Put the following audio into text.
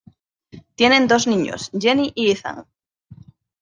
Tienen dos niños, Jennie y Ethan.